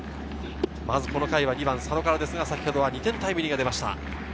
まずこの回は２番・佐野からですが、先ほど２点タイムリーが出ました。